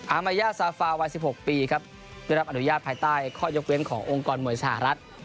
มายาซาฟาวัย๑๖ปีครับได้รับอนุญาตภายใต้ข้อยกเว้นขององค์กรมวยสหรัฐ